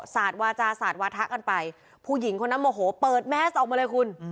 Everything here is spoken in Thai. สาดวาจาสาดวาถะกันไปผู้หญิงคนนั้นโมโหเปิดแมสออกมาเลยคุณ